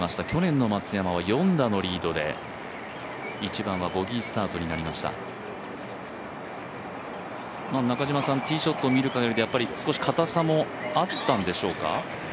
去年の松山は４打のリードで、１番はボギースタートになりましたティーショットを見る限り少しかたさもあったんでしょうか？